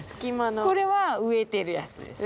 これは植えてるやつです。